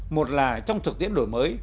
một là trong thực tiễn đổi mới